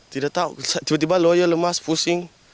tidak tahu tiba tiba loyal lemas pusing